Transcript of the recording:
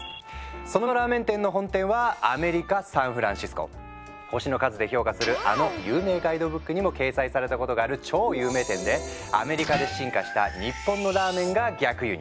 そのラーメン店の本店は星の数で評価するあの有名ガイドブックにも掲載されたことがある超有名店でアメリカで進化した日本のラーメンが逆輸入。